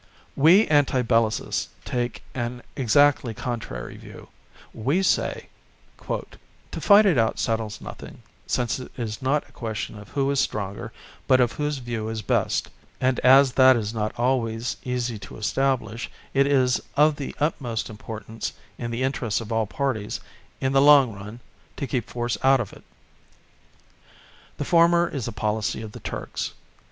We anti Bellicists take an exactly contrary view. We say: "To fight it out settles nothing, since it is not a question of who is stronger, but of whose view is best, and as that is not always easy to establish, it is of the utmost importance in the interest of all parties, in the long run, to keep force out of it." The former is the policy of the Turks.